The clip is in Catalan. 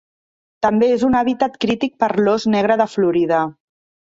També és un hàbitat crític per l'ós negre de Florida.